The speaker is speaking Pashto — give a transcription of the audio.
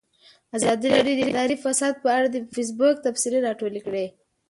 ازادي راډیو د اداري فساد په اړه د فیسبوک تبصرې راټولې کړي.